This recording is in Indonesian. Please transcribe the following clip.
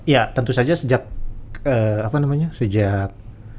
ya tentu saja sejak